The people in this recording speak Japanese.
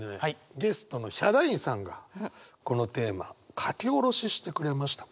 ゲストのヒャダインさんがこのテーマ書き下ろししてくれました。